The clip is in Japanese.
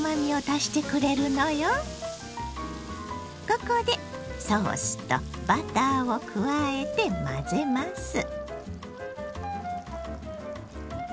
ここでソースとバターを加えて混ぜます。